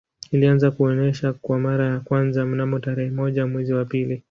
Ilianza kuonesha kwa mara ya kwanza mnamo tarehe moja mwezi wa pili